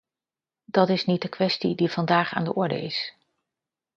Dat is niet de kwestie die vandaag aan de orde is.